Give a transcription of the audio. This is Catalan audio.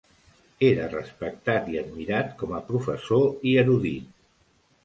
Era respectat i admirat com a professor i erudit.